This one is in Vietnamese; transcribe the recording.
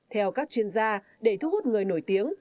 theo các chuyên gia để thu hút người nổi tiếng